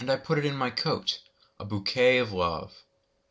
put it in my coat,A bouquet of Love!